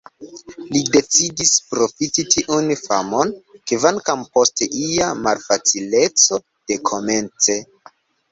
Li decidis profiti tiun famon, kvankam post ia malfacileco dekomence.